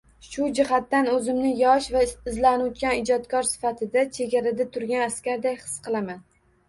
Shu jihatdan oʻzimni yosh va izlanuvchan ijodkor sifatida chegarada turgan askarday his qilaman.